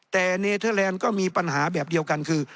แต่เนเทอร์แลนด์ก็มีปัญหาแบบเดียวกันคือ